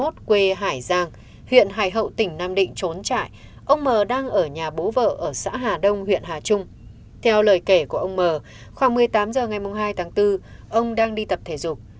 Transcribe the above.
theo lời kể của ông m khoảng một mươi tám h ngày hai tháng bốn ông đang đi tập thể dục